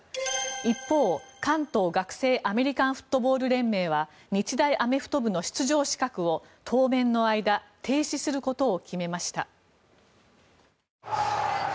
一方、関東学生アメリカンフットボール連盟は日大アメフト部の出場資格を当面の間停止することを決めました。